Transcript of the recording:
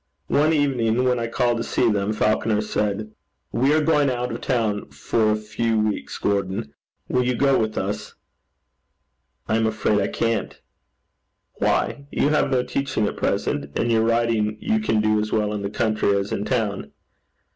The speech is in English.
One evening when I called to see them, Falconer said, 'We are going out of town for a few weeks, Gordon: will you go with us?' 'I am afraid I can't.' 'Why? You have no teaching at present, and your writing you can do as well in the country as in town.'